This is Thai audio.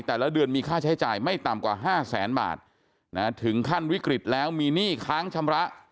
แต่ละเดือนมีค่าใช้จ่ายไม่ต่ำกว่าห้าแสนบาทถึงขั้นวิกฤตแล้วมีหนี้ค้างชำระ